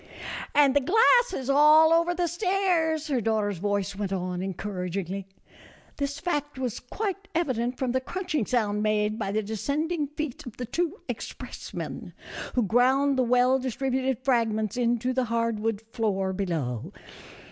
" And the glass is all over the stairs," her daugh ter's voice went on, encouragingly. This fact was quite evident from the crunching sound made by the descending feet of the two expressmen, who ground the well distributed fragments into the hard wood floor below.